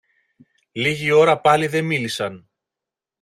Λίγη ώρα πάλι δε μίλησαν.